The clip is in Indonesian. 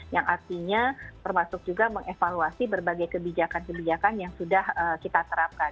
yang artinya termasuk juga mengevaluasi berbagai kebijakan kebijakan yang sudah kita terapkan